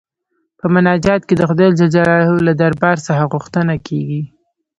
په مناجات کې د خدای جل جلاله له دربار څخه غوښتنه کيږي.